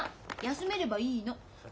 休めればいいの。